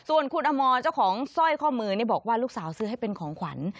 ส่วนคุณอมรเจ้าของสร้อยข้อมือบอกว่าลูกสาวซื้อให้เป็นของขวัญ